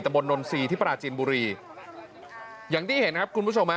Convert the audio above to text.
บนนนทรีย์ที่ปราจินบุรีอย่างที่เห็นครับคุณผู้ชมฮะ